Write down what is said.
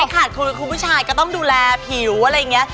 ไม่อยากครบคุณผู้ชายก็ต้องดูแลผิวอะไรอย่างนี้